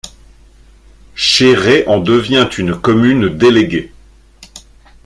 Cherré en devient une commune déléguée.